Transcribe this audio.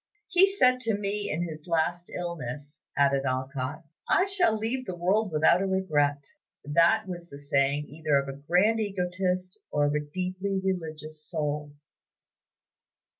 "He said to me in his last illness," added Alcott, "'I shall leave the world without a regret,' that was the saying either of a grand egotist or of a deeply religious soul."